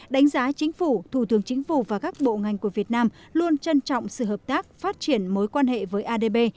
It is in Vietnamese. đánh giá chính phủ thủ tướng chính phủ và các bộ ngành của việt nam luôn trân trọng sự hợp tác phát triển mối quan hệ với adb